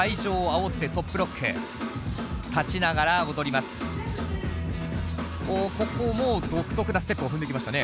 おおここも独特なステップを踏んできましたね。